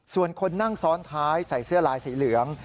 ส่วนคนนั่งซ้อนท้ายใส่เสื้อลายสีเหลือง